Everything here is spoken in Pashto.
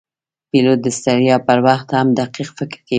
پیلوټ د ستړیا پر وخت هم دقیق فکر کوي.